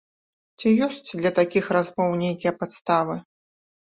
Ці ёсць для такіх размоў нейкія падставы?